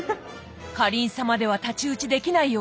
かりん様では太刀打ちできないようです。